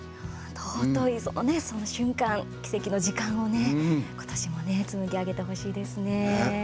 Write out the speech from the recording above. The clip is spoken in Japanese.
尊い、そのね、その瞬間奇跡の時間をね、今年もね紡ぎ上げてほしいですね。